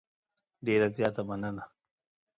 ډېره زیاته مننه .